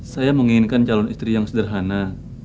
saya menginginkan calon istri yang sederhana